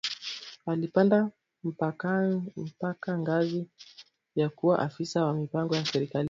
Alipanda mpakangazi ya kuwa afisa wa mipango serikalini